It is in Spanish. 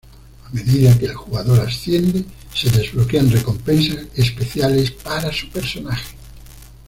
A medida que el jugador asciende, se desbloquean recompensas especiales para su personaje.